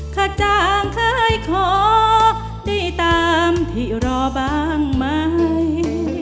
ขจางเคยขอได้ตามที่รอบ้างไหม